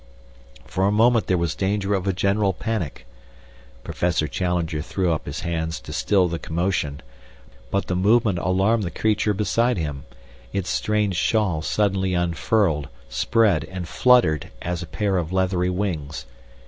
For a moment there was danger of a general panic. Professor Challenger threw up his hands to still the commotion, but the movement alarmed the creature beside him. Its strange shawl suddenly unfurled, spread, and fluttered as a pair of leathery wings.